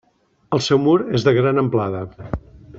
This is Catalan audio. El seu mur és de gran amplada.